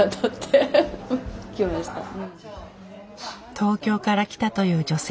東京から来たという女性。